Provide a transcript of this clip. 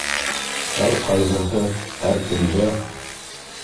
Һәр ҡайһыһы һәр көндә